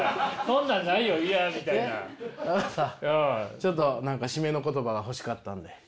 ちょっと何か締めの言葉が欲しかったので。